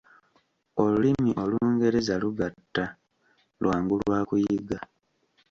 Olulimi Olungereza lugatta lwangu lwa kuyiga.